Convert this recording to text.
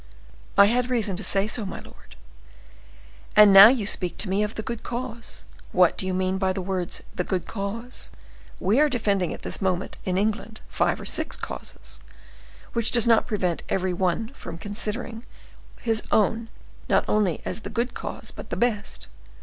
"I had reason to say so, my lord." "And now you speak to me of the good cause. What do you mean by the words 'the good cause?' We are defending at this moment, in England, five or six causes, which does not prevent every one from considering his own not only as the good cause, but as the best.